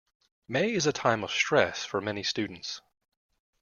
May is a time of stress for many students.